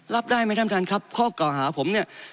รับได้ไหมท่านประธานครับข้อเก่าหาผมเนี่ย